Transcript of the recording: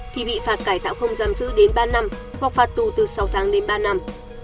thì bị phạt cải tạo không giam giữ đến ba năm hoặc phạt tù từ sáu tháng đến ba năm